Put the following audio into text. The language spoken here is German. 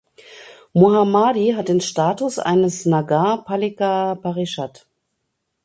Mohammadi hat den Status eines Nagar Palika Parishad.